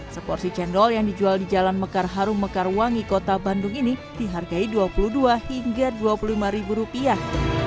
seporsi cendol yang dijual di jalan mekar harum mekarwangi kota bandung ini dihargai dua puluh dua hingga dua puluh lima ribu rupiah